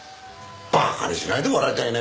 馬鹿にしないでもらいたいね。